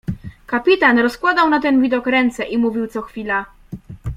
Kapitan rozkładał na ten widok ręce i mówił co chwila.